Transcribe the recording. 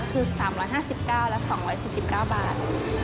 ก็คือ๓๕๙และ๒๔๙บาท